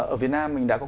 ở việt nam mình đã có